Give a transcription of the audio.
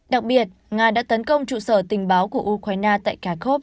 đặc biệt nga đã tấn công trụ sở tình báo của ukraine tại carb